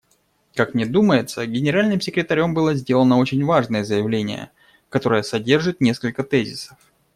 Как мне думается, Генеральным секретарем было сделано очень важное заявление, которое содержит несколько тезисов.